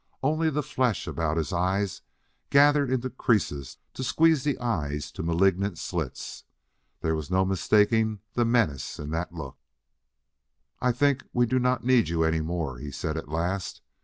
Only the flesh about his eyes gathered into creases to squeeze the eyes to malignant slits. There was no mistaking the menace in that look. "I think we do not need you any more," he said at last.